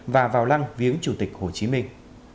và vào lăng viếng chủ tịch hồ chí minh